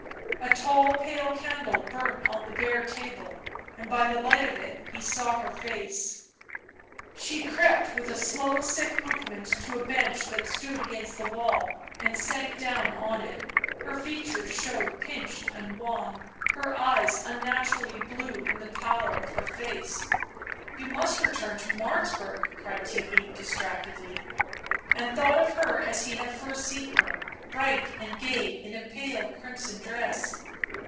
A tall pale candle burnt on the bare table, and by the light of it he saw her face. Digitized by UNIVERSITY OF MICHIGAN Original from UNIVERSITY OF MICHIGAN 236 BLACK MAGIC She crept with a slow sick movement to a bench that stood against the wall and sank down on it ; her features showed pinched and wan, her eyes unnaturally blue in the pallor of her face. " You must return to Martzburg," cried Theirry distractedly ; and thought of her as he had first seen her, bright and gay, in a pale crimson dress.